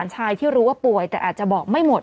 ชายที่รู้ว่าป่วยแต่อาจจะบอกไม่หมด